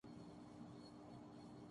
بیہودہ ہی سہی کسی قسم کا تھیٹر زندہ تو ہے۔